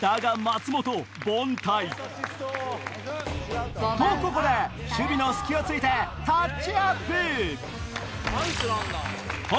だが松本凡退とここで守備の隙を突いてタッチアップナイスランナー！